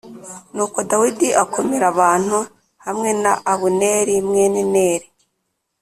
Nuko Dawidi akomēra abantu hamwe na Abuneri mwene Neri